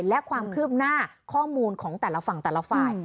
และความคืบหน้าข้อมูลของแต่ละฝั่งแต่ละฝ่าย